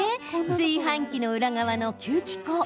炊飯器の裏側の吸気口。